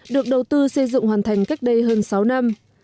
được đầu tư xây dựng hoàn thành cách đây hơn sáu năm